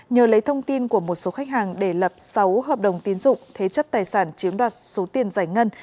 nhờ lấy thông tin của một số khách hàng để lập sáu hợp đồng tiến dụng thế chất tài sản chiếm đoạt số tiền giải ngân